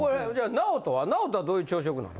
ＮＡＯＴＯはどういう朝食なの？